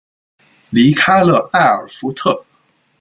离开了艾尔福特。